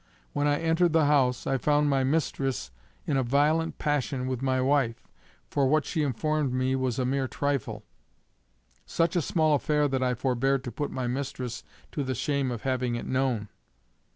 When I entered the house, I found my mistress in a violent passion with my wife, for what she informed me was a mere trifle; such a small affair that I forbear to put my mistress to the shame of having it known.